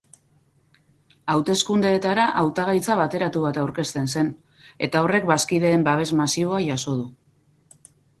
Hauteskundeetara hautagaitza bateratu bat aurkezten zen eta horrek bazkideen babes masiboa jaso du.